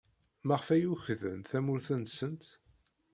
Maɣef ay ukḍen tamurt-nsent?